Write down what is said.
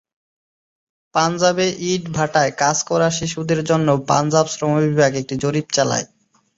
পাঞ্জাবে ইট ভাটায় কাজ করা শিশুদের জন্য পাঞ্জাব শ্রম বিভাগ একটি জরিপ চালায়।